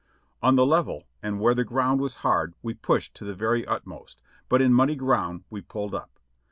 On the level and where the earth was hard we pushed to the very utmost, but in muddy ground we pulled up.